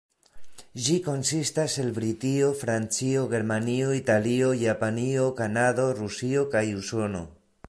Ĝi konsistas el Britio, Francio, Germanio, Italio, Japanio, Kanado, Rusio kaj Usono.